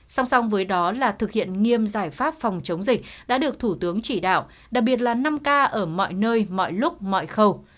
song song với đó là thực hiện nghiêm giải pháp phòng chống dịch đã được thủ tướng chỉ đạo đặc biệt là năm k ở mọi nơi mọi lúc mọi khâu